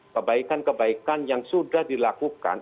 kebaikan kebaikan yang sudah dilakukan